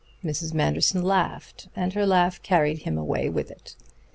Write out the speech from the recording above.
Mrs. Manderson laughed, and her laugh carried him away with it.